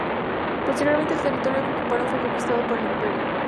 Posteriormente, el territorio que ocuparon fue conquistado por el Imperio.